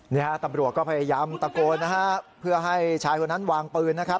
นี่ฮะตำรวจก็พยายามตะโกนนะฮะเพื่อให้ชายคนนั้นวางปืนนะครับ